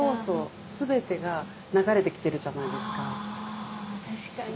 あぁ確かに。